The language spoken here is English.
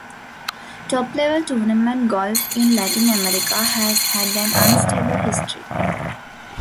Top level tournament golf in Latin America has had an unstable history.